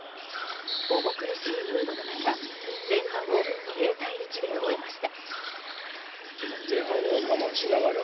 重苦しいムードの中前半を０対１で終えました。